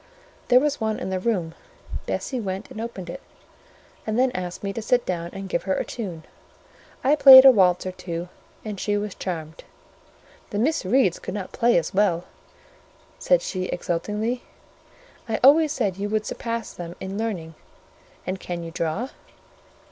There was one in the room; Bessie went and opened it, and then asked me to sit down and give her a tune: I played a waltz or two, and she was charmed. "The Miss Reeds could not play as well!" said she exultingly. "I always said you would surpass them in learning: and can you draw?"